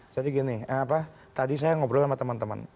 jadi gini tadi saya ngobrol sama teman teman